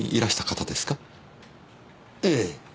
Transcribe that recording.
ええ。